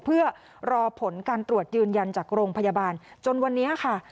เพื่อรอผลการตรวจยืนยันจากโรงพยาบาลจนวันนี้ค่ะ